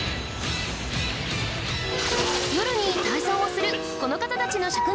夜に体操をするこの方たちの職業は？